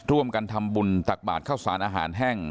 ร่วมกันทำบุญตักบาทเข้าสารอาหารแห้ง